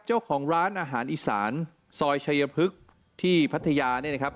เจ้าของร้านอาหารอีสานซอยชายพฤกษ์ที่พัทยาเนี่ยนะครับ